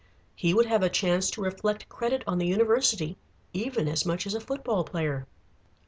He would have a chance to reflect credit on the university even as much as a foot ball player.